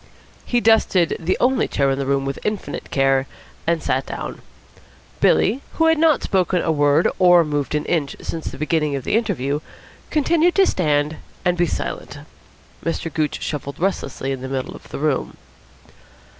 He dusted the only chair in the room with infinite care and sat down. Billy Windsor, who had not spoken a word or moved an inch since the beginning of the interview, continued to stand and be silent. Mr. Gooch shuffled restlessly in the middle of the room.